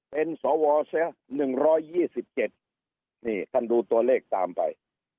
เป็นสอวอเสะหนึ่งร้อยยี่สิบเก็ดนี่ท่านดูตัวเลขตามไป